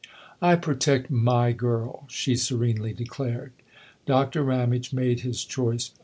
" I protect my girl/' she serenely declared. Doctor Ramage made his choice.